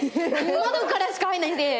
窓からしか入んないんで。